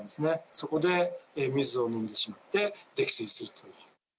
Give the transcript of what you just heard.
そこで水を飲んでしまって溺水する。